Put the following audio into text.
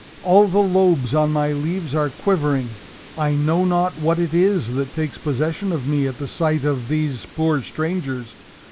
"All the lobes on my leaves are quivering. I know not what it is that takes possession of me at the sight of these poor strangers.